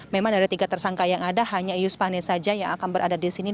memang dari tiga tersangka yang ada hanya iyus pane saja yang akan berada di sini